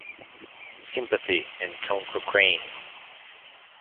Sympathy and Tom Cochrane.